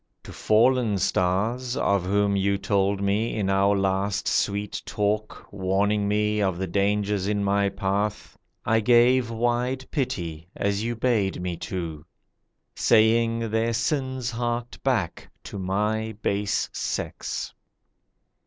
To fallen stars (Of whom you told me in our last sweet talk, Warning me of the dangers in my path) I gave wide pity as you bade me to, Saying their sins harked back to my base sex.